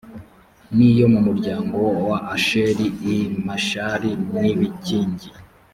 n iyo mu muryango wa asheri i mashali n ibikingi